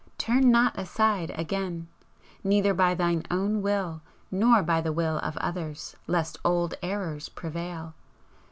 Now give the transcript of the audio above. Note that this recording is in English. Turn not aside again, neither by thine own will nor by the will of others, lest old errors prevail!